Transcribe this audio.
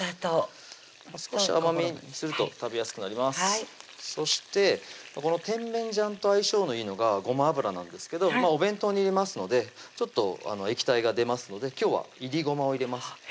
少し甘めにすると食べやすくなりますそしてこの甜麺醤と相性のいいのがごま油なんですけどお弁当に入れますのでちょっと液体が出ますので今日はいりごまを入れます